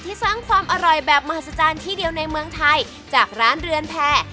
สร้างความอร่อยแบบมหัศจรรย์ที่เดียวในเมืองไทยจากร้านเรือนแพร่